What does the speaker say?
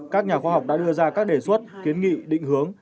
các nhà khoa học đã đưa ra các đề xuất kiến nghị định hướng